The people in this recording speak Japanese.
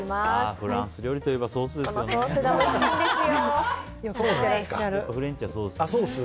フランス料理といえばソースですよね。